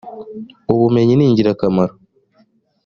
ubumenyi ningirakamaro.